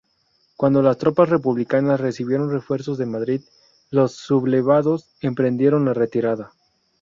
Cuando las tropas republicanas recibieron refuerzos de Madrid, los sublevados emprendieron la retirada.